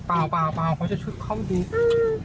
เปล่าเขาจะชึกเข้าไปดี